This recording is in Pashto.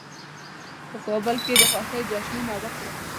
په کابل کې د خوښۍ جشنونه وکړل.